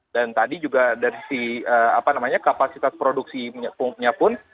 dan tadi juga dari sisi apa namanya kapasitas produksi pun